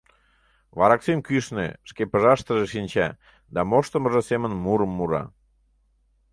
Вараксим кӱшнӧ, шке пыжашыштыже шинча да моштымыжо семын мурым мура.